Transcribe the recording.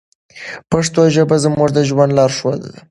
پښتو ژبه زموږ د ژوند لارښود ده.